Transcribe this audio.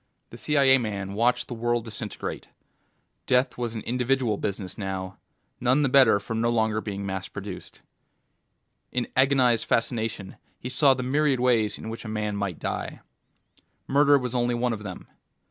The CIA man watched the world disintegrate. Death was an individual business now, and none the better for no longer being mass produced. In agonized fascination he saw the myriad ways in which a man might die. Murder was only one of them.